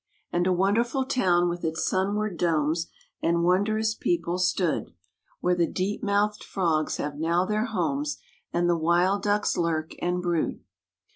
And a wonderful town with its sunward domes, And wondrous people stood, Where the deep mouthed frogs have now their homes, And the wild ducks lurk and brood.